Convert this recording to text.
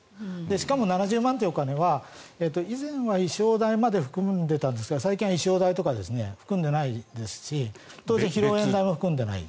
しかも７０万というお金は以前は衣装代まで含んでいたんですが最近は衣装代を含んでいないですし当然披露宴代も含んでいない。